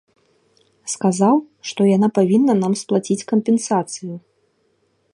Сказаў, што яна павінна нам сплаціць кампенсацыю.